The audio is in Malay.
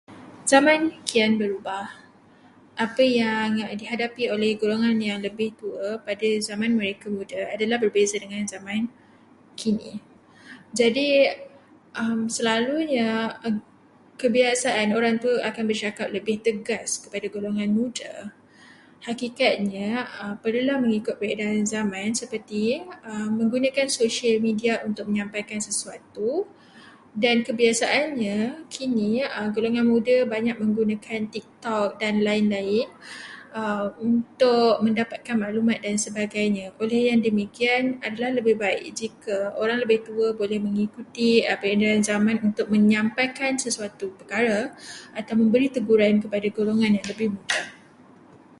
Zaman kian berubah, apa yang dihadapi oleh golongan yang lebih tua pada zaman mereka muda adalah berbeza dengan zaman kini. Jadi, selalunya kebiasaan orang tua akan bercakap lebih tegas kepada golongan muda. Hakikatnya, perlulah mengikut peredaran zaman seperti menggunakan sosial media untuk menyampaikan sesuatu, dan kebiasaannya kini golongan muda banyak menggunakan TikTok dan lain-lain untuk mendapatkan maklumat dan sebagainya. Oleh yang demikian, adalah lebih baik jika orang lebih tua boleh mengikuti peredaran zaman untuk menyampaikan sesuatu perkara atau memberi teguran kepada golongan yang lebih muda.